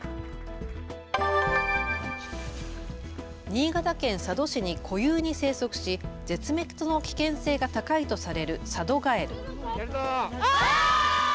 新潟県佐渡市に固有に生息し絶滅の危険性が高いとされるサドガエル。